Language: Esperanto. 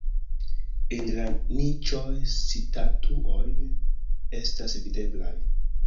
En la niĉoj statuoj estas videblaj.